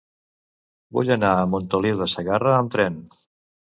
Vull anar a Montoliu de Segarra amb tren.